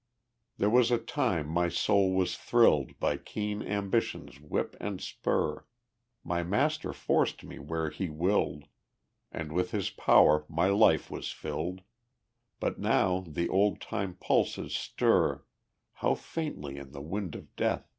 There was a time my soul was thrilled By keen ambition's whip and spur; My master forced me where he willed, And with his power my life was filled, But now the old time pulses stir How faintly in the wind of death!